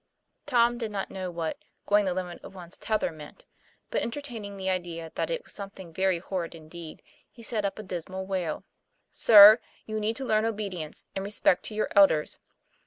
Tom did not know what "going the limit of one's tether" meant; but entertaining the idea that it was something very horrid indeed, he set up a dismal wail. :' Sir, you need to learn obedience and respect to your elders.